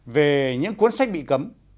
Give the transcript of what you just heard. về những cuốn sách đối tượng